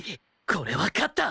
これは勝った！